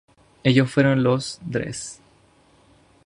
Ellos fueron los Dres.